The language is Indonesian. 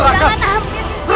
jangan ambil cincinku